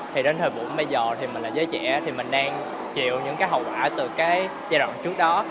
thì đến thời vụ bây giờ thì mình là giới trẻ thì mình đang chịu những cái hậu quả từ cái giai đoạn trước đó